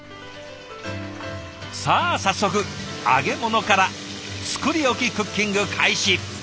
さあ早速揚げ物から作り置きクッキング開始。